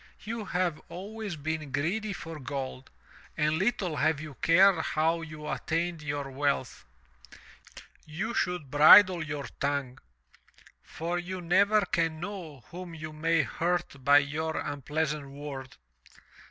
You have always been greedy for gold, and little have you cared how you attained your wealth. You should bridle your tongue, for you 351 MY BOOK HOUSE never can know whom you may hurt by your impleasant word.